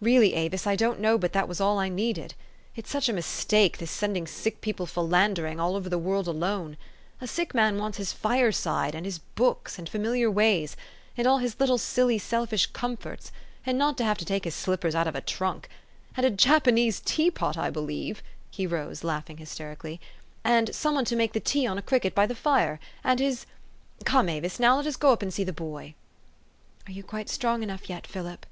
Really, Avis, I don't know but that was all I needed. It's such a mistake, this sending sick people philandering all over the world alone. A sick man wants his fireside, and his books, and familiar ways, and all his little silly, selfish comforts, and not to have to take his slippers out of a trunk, and a Japanese teapot, I believe," he rose, laughing hysterically, ' c and some one to make the tea on a cricket by the fire ; and his Come, Avis, now let us go up and see the boy." 388 THE STORY OF AVIS. " Are you quite strong enough yet, Philip?